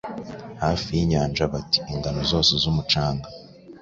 Hafi yinyanja Bati 'Ingano zose z'umucanga,